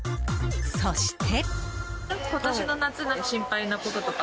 そして。